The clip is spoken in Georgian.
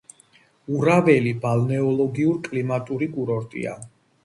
ურაველი ბალნეოლოგიურ-კლიმატური კურორტია.